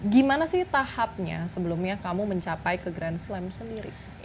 gimana sih tahapnya sebelumnya kamu mencapai ke grand slam sendiri